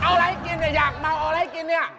เอาอะไรให้กินอยากมาเอาอะไรให้กินนี่